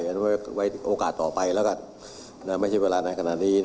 นั่นจะว่าไว้โอกาสต่อไปไม่ใช่เวลานายขนาดนี้